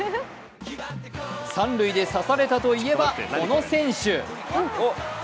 三塁で差されたといえばこの選手。